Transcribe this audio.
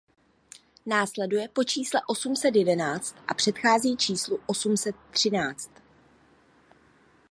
Následuje po čísle osm set jedenáct a předchází číslu osm set třináct.